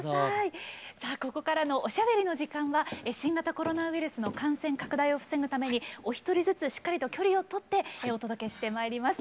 さあここからのおしゃべりの時間は新型コロナウイルスの感染拡大を防ぐためにお一人ずつしっかりと距離をとってお届けしてまいります。